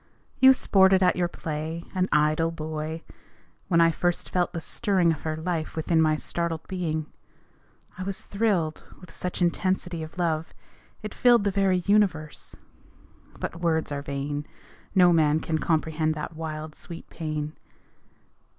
You sported at your play, an idle boy, When I first felt the stirring of her life Within my startled being. I was thrilled With such intensity of love, it filled The very universe! But words are vain No man can comprehend that wild, sweet pain.